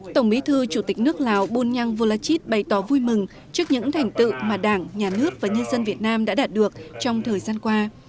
tổng bí thư chủ tịch nước lào bunyang volachit bày tỏ vui mừng trước những thành tựu mà đảng nhà nước và nhân dân việt nam đã đạt được trong thời gian qua